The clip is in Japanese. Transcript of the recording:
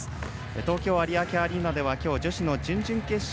東京・有明アリーナでは女子の準々決勝